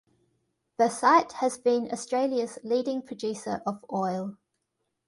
The site has been Australia's leading producer of oil.